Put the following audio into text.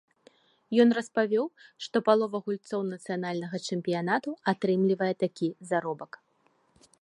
Ён распавёў, што палова гульцоў нацыянальнага чэмпіянату атрымлівае такі заробак.